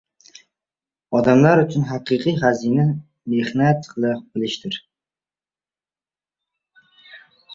Odamlar uchun haqiqiy xazina — mehnat qila bilishdir.